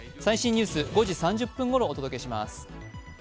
最新ニュースは５時３０分ほどにお伝えします。